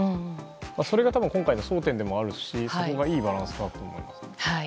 それが今回の争点でもあるしそこがいいバランスですね。